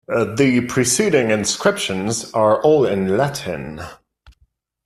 The preceding inscriptions are all in Latin.